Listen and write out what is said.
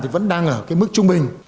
vẫn đang ở mức trung bình